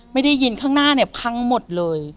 ไม่ได้ยินข้างหน้าเนี่ยพังหมดเลย